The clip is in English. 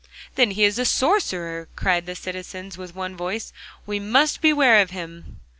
'Then he is a sorcerer!' cried the citizens with one voice; 'we must beware of him.